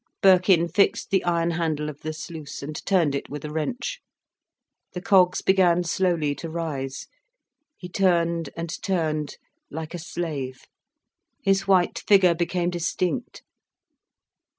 Birkin fixed the iron handle of the sluice, and turned it with a wrench. The cogs began slowly to rise. He turned and turned, like a slave, his white figure became distinct.